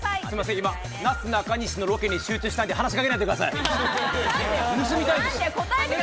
なすなかにしのロケに集中したいんで、話しかけないでください。